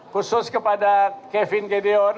khusus kepada kevin gideon